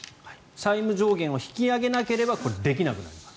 債務上限を引き上げなければこれができなくなります。